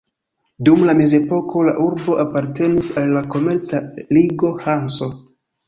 Dum la mezepoko, la urbo apartenis al la komerca ligo Hanso.